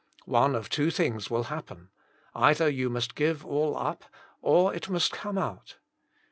One of two things will happen — either you must give all up, or it must come out.